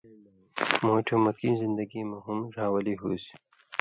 مُوٹھیُوں مکی زندگی مہ ہُم ڙھاولی ہُوسیۡ